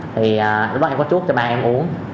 thì lúc đó em có chút cho ba em uống